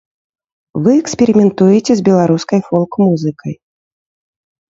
Вы эксперыментуеце з беларускай фолк-музыкай.